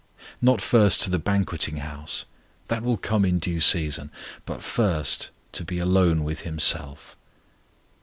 Not first to the banqueting house that will come in due season; but first to be alone with Himself.